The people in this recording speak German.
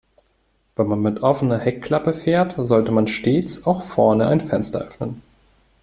Wenn man mit offener Heckklappe fährt, sollte man stets auch vorne ein Fenster öffnen.